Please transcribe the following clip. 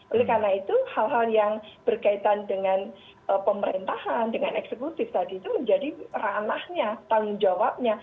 oleh karena itu hal hal yang berkaitan dengan pemerintahan dengan eksekutif tadi itu menjadi ranahnya tanggung jawabnya